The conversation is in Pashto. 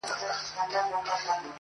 • له یوې خوني تر بلي پوری تلله -